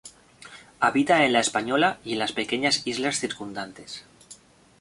Habita en La Española y en las pequeñas islas circundantes.